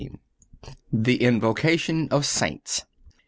THE INVOCATION OF SAINTS.